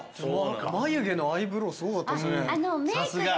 眉毛の「アイブロー」すごかったですね。